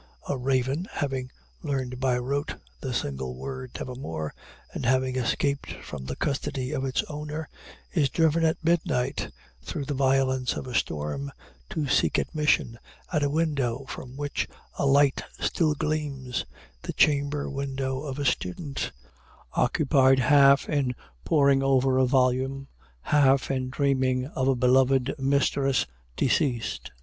A raven, having learned by rote the single word "Nevermore," and having escaped from the custody of its owner, is driven at midnight, through the violence of a storm, to seek admission at a window from which a light still gleams the chamber window of a student, occupied half in poring over a volume, half in dreaming of a beloved mistress deceased.